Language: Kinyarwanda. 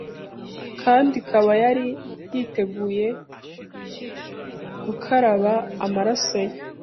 kandi ikaba yari yiteguye gukaraba amaraso ye